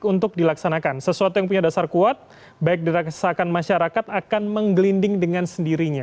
untuk dilaksanakan sesuatu yang punya dasar kuat baik dirasakan masyarakat akan menggelinding dengan sendirinya